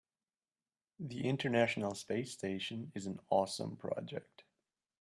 The international space station is an awesome project.